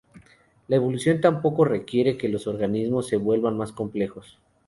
La evolución tampoco requiere que los organismos se vuelvan más complejos.